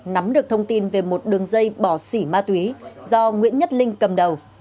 nắm được thông tin về một đường dây bỏ xỉ ma túy do nguyễn nhất linh cầm đầu